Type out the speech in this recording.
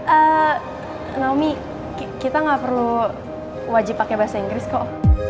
eh naomi kita gak perlu wajib pakai bahasa inggris kok